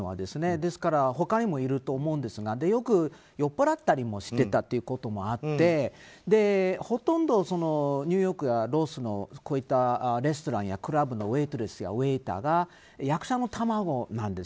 ですから他にもいると思うんですがよく酔っぱらったりもしていたということでほとんどニューヨークやロスのレストランやクラブのウェーターは役者の卵なんです。